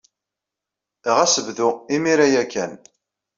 Ɣas bdu imir-a ya kan.